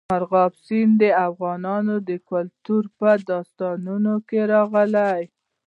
مورغاب سیند د افغان کلتور په داستانونو کې راځي.